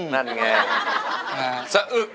เผอเรอ